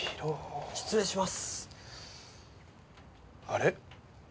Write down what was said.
あれ？